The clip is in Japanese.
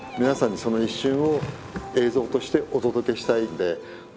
皆さんにその一瞬を映像としてお届けしたいんで。